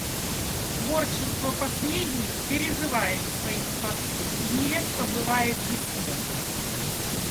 Творчество последних переживает своих творцов и нередко бывает бессмертно.